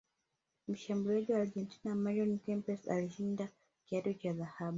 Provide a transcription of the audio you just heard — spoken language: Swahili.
mshambuliaji wa argentina mario Kempes alishinda kiatu cha dhahabu